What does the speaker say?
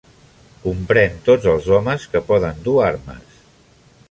Comprèn tots els homes que poden dur armes.